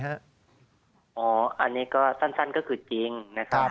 อันนี้ก็สั้นก็คือจริงนะครับ